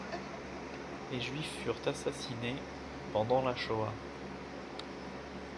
Les Juifs furent assassinés pendant la Shoah.